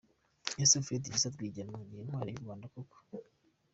Ese Fred Gisa Rwigema ni intwari y’u Rwanda koko ?